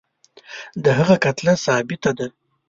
د هغه کتله ثابته ده.